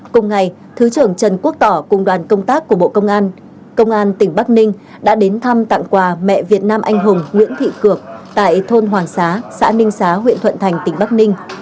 cùng ngày thứ trưởng trần quốc tỏ cùng đoàn công tác của bộ công an công an tỉnh bắc ninh đã đến thăm tặng quà mẹ việt nam anh hùng nguyễn thị cược tại thôn hoàng xá xã ninh xá huyện thuận thành tỉnh bắc ninh